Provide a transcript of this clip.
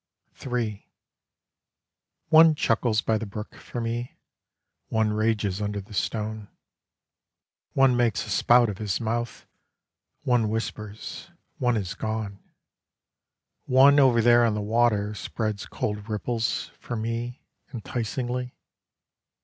III One chuckles by the brook for me: One rages under the stone. One makes a spout of his mouth One whispers one is gone. One over there on the water Spreads cold ripples For me Enticingly.